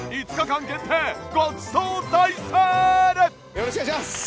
よろしくお願いします。